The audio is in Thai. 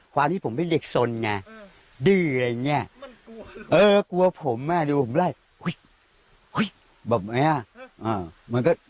ความที่ผมเป็นเด็กสนดื้ออะไรแบบนี้